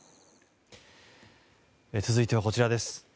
続いては、こちらです。